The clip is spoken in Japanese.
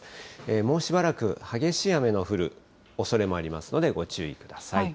もうしばらく、激しい雨の降るおそれもありますので、ご注意ください。